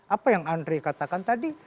apa yang andri katakan tadi